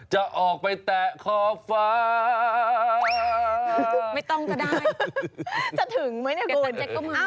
จะออกไปแตะขอบฟ้าไม่ต้องก็ได้จะถึงไหมเนี่ยกูแต่ตั๊ะเจ็กก็มึง